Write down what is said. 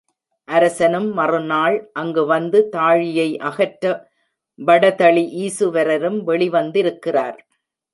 அரசனும் மறுநாள் அங்கு வந்து தாழியை அகற்ற வடதளி ஈசுவரும் வெளி வந்திருக்கிறார்.